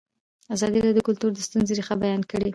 ازادي راډیو د کلتور د ستونزو رېښه بیان کړې.